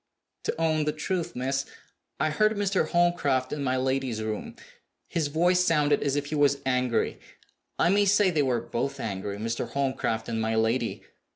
"To own the truth, miss, I heard Mr. Holmcroft in my lady's room. His voice sounded as if he was angry. I may say they were both angry Mr. Holmcroft and my lady."